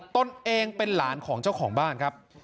ตนเองเป็นหลานของเจ้าของบ้านครับ